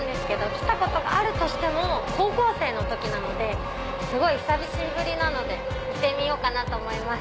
来たことがあるとしても高校生の時なのですごい久しぶりなので行ってみようかなと思います。